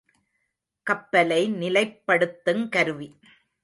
கப்பலை நிலைப்படுத்துங் கருவி.